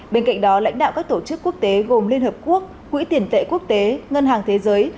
bên cạnh đó lãnh đạo các tổ chức quốc tế gồm liên hợp quốc quỹ tiền tệ quốc tế ngân hàng thế giới